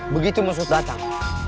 begitu musuh datang